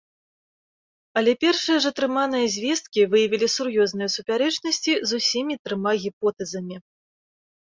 Але першыя ж атрыманыя звесткі выявілі сур'ёзныя супярэчнасці з усімі трыма гіпотэзамі.